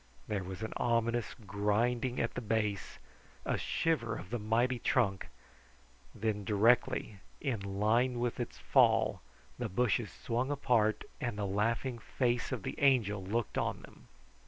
There was an ominous grinding at the base, a shiver of the mighty trunk, then directly in line of its fall the bushes swung apart and the laughing face of the Angel looked on them.